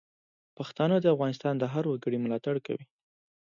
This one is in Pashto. پښتانه د افغانستان د هر وګړي ملاتړ کوي.